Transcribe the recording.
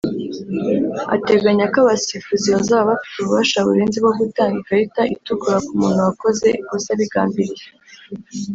Ateganya ko abasifuzi bazaba bafite ububasha burenze bwo gutanga ikarita itukura ku muntu wakoze ikosa abigambiriye